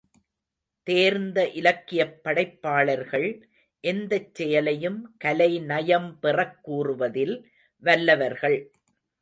தேர்ந்த இலக்கியப் படைப்பாளர்கள், எந்தச் செயலையும் கலை நயம்பெறக் கூறுவதில் வல்லவர்கள்.